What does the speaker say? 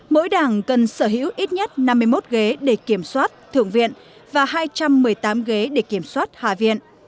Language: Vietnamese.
mỗi đảng cần sở hữu ít nhất năm mươi một ghế để kiểm soát thượng viện và hai trăm một mươi tám ghế để kiểm soát hạ viện